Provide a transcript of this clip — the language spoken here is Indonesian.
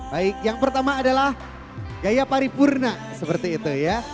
baik yang pertama adalah gaya paripurna seperti itu ya